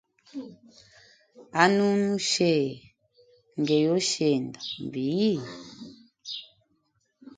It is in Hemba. Anunu che ,nge yoshenda nvii?